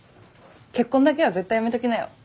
結婚だけは絶対やめときなよ。